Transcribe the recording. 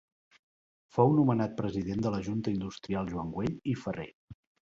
Fou nomenat president de la Junta l'industrial Joan Güell i Ferrer.